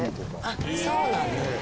あっそうなんだ。